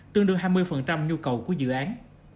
tương đương hai mươi nhu cầu của dự án